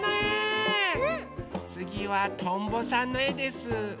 つぎはとんぼさんのえです。